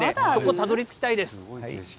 たどりつきたいです。